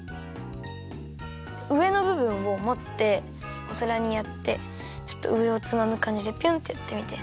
うえのぶぶんをもっておさらにやってちょっとうえをつまむかんじでピョンってやってみて。